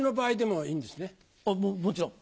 もちろん。